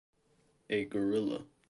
A gorilla.